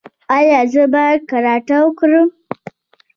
ایا زه باید کراټه وکړم؟